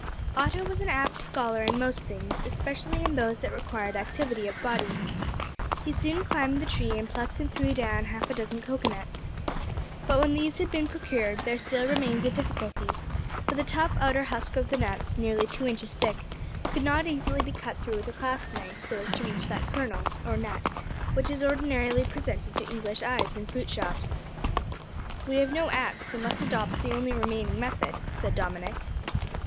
Otto was an apt scholar in most things, especially in those that required activity of body. He soon climbed the tree, and plucked and threw down half a dozen cocoa nuts. But when these had been procured, there still remained a difficulty, for the tough outer husk of the nuts, nearly two inches thick, could not easily be cut through with a clasp knife so as to reach that kernel, or nut, which is ordinarily presented to English eyes in fruit shops. "We have no axe, so must adopt the only remaining method," said Dominick.